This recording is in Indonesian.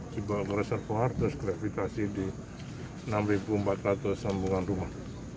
juga mereservoar terus gravitasi di enam empat ratus sambungan rumah